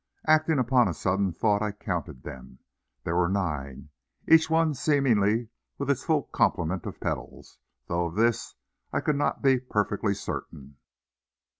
Acting upon a sudden thought, I counted them. There were nine, each one seemingly with its full complement of petals, though of this I could not be perfectly certain.